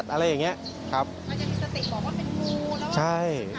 อาจารย์สติกบอกว่าเป็นงูแล้วว่าเป็นหัวดอกจันทร์